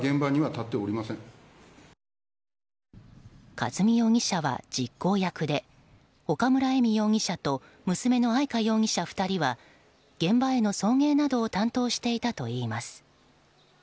和美容疑者は実行役で岡村恵美容疑者と娘の愛香容疑者２人は現場への送迎などを担当していたといいます。